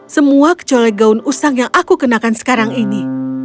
semua kecolek gaun usang yang aku kenakan sekarang ini